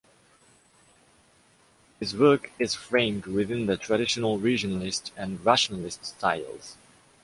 His work is framed within the traditional regionalist and rationalist styles.